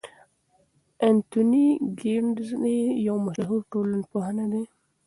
انتوني ګیدنز یو مشهور ټولنپوه دی.